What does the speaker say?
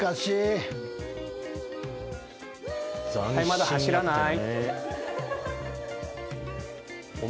まだ走らない。